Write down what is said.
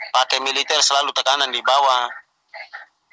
pakai militer selalu tekanan di bawah